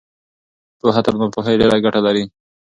پوهه تر ناپوهۍ ډېره ګټه لري.